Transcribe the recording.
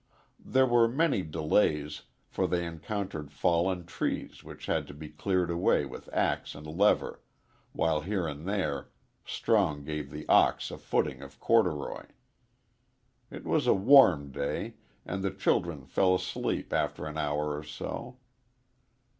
There were many delays, for they encountered fallen trees which had to be cleared away with axe and lever, while here and there Strong gave the ox a footing of corduroy. It was a warm day and the children fell asleep after an hour or so.